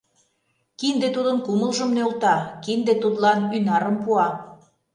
Кинде тудын кумылжым нӧлта, кинде тудлан ӱнарым пуа.